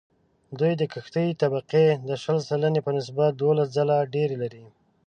دوی د کښتې طبقې د شل سلنې په نسبت دوولس ځله ډېر لري